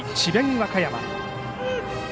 和歌山。